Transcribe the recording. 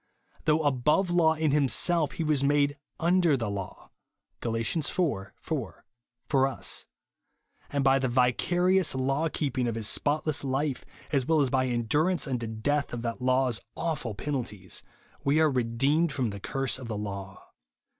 Though above law in himself, he was made "under the law" (Gal. iv. 4) for us ; and by the vicarious law keeping of his spotless life, as well as by endurance unto death of that law's awful penalties, we are redeemed from the curse of the law.